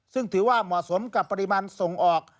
ซึ่งถือว่าเหมาะสมกับปริมาณส่งออก